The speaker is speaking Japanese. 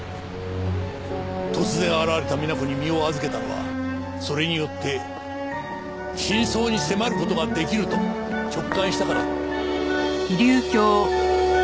突然現れたみな子に身を預けたのはそれによって真相に迫る事ができると直感したからだろう。